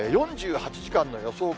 ４８時間の予想